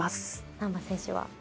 難波選手は。